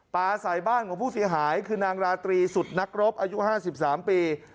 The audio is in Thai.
ปลาใส่บ้านของผู้เสียหายคือนางราตรีสุดนักรบอายุ๕๓ปี